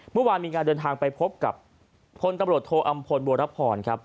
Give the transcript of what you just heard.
เมื่อวานมีการเดินทางไปพบกับพลตำรวจโทอำพลบัวรพรครับ